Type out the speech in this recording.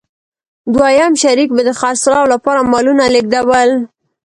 دویم شریک به د خرڅلاو لپاره مالونه لېږدول.